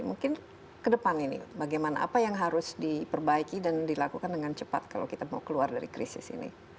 mungkin ke depan ini bagaimana apa yang harus diperbaiki dan dilakukan dengan cepat kalau kita mau keluar dari krisis ini